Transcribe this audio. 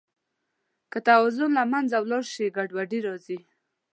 که توازن له منځه ولاړ شي، ګډوډي راځي.